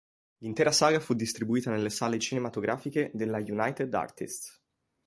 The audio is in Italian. L'intera saga fu distribuita nelle sale cinematografiche dalla United Artists.